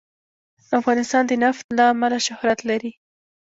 افغانستان د نفت له امله شهرت لري.